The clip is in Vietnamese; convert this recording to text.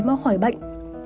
mau khỏi bệnh